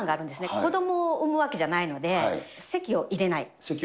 子どもを産むわけじゃないので、籍を入れない。